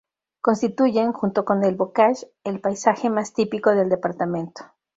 Constituyen, junto con el "bocage", el paisaje más típico del departamento.